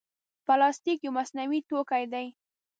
پلاستيک یو مصنوعي توکي دی.